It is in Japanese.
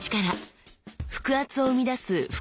腹圧を生み出す腹